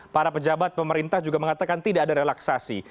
para pejabat pemerintah juga mengatakan tidak ada relaksasi